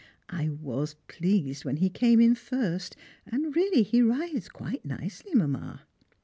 I was pleased when he came in first, and really he rides quite nicely, Mamma.